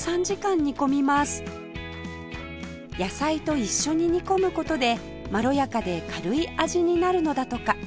野菜と一緒に煮込む事でまろやかで軽い味になるのだとか